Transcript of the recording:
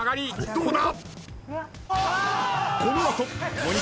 どうだ？